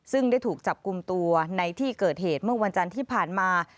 ซึ่งได้ถูกจับกลุ่มตัวในที่เกิดเหตุเมื่อวันจันทร์ที่ผ่านมา